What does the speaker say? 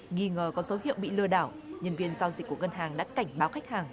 nghi ngờ có dấu hiệu bị lừa đảo nhân viên giao dịch của ngân hàng đã cảnh báo khách hàng